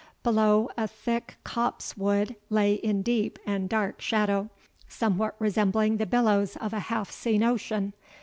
Below, a thick copse wood lay in deep and dark shadow, somewhat resembling the billows of a half seen ocean.